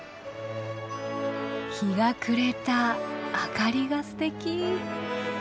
日が暮れた明かりがすてき。